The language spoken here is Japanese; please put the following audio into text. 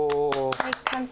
はい、完成。